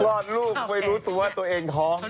อดลูกไปรู้ตัวตัวเองท้อง